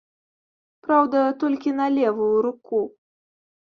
Праўда, толькі на левую руку.